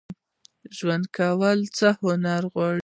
ژوند کول څه هنر غواړي؟